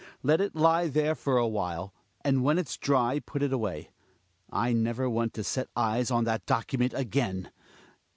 Let it li^ there for a while. And when it's dry put it awayo I never want to set eyes on that document again.